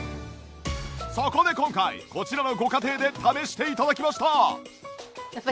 そこで今回こちらのご家庭で試して頂きました